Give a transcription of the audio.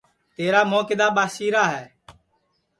تیرا مُھو کِدؔا ٻاسیرا ہے